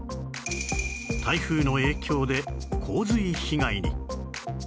台風の影響で洪水被害に